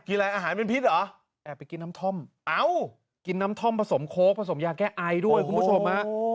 อะไรอาหารเป็นพิษเหรอแอบไปกินน้ำท่อมเอ้ากินน้ำท่อมผสมโค้กผสมยาแก้ไอด้วยคุณผู้ชมฮะ